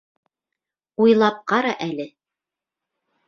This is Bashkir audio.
Уйлап ҡара әле.